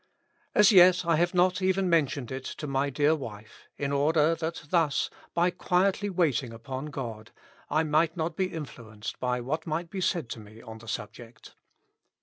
As yet I have not even mentioned it to my dear wife, in order that thus, by quietly waiting upon God, I might not be influenced by what might be said to me on the subject.